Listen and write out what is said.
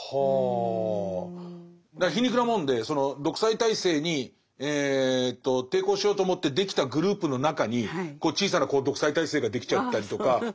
だから皮肉なもんでその独裁体制に抵抗しようと思ってできたグループの中に小さな独裁体制ができちゃったりとか。